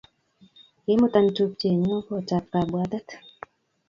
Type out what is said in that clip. Kimuta tupchenyu kot ab kapbwatet